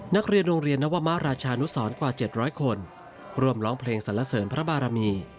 นักเรียนโรงเรียนนวมราชานุสรกว่า๗๐๐คนร่วมร้องเพลงสรรเสริญพระบารมี